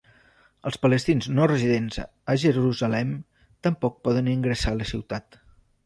Els palestins no residents a Jerusalem tampoc poden ingressar a la ciutat.